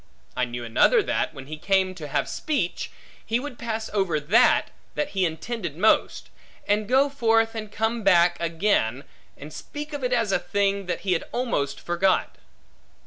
I knew another that, when he came to have speech, he would pass over that, that he intended most; and go forth, and come back again, and speak of it as of a thing, that he had almost forgot.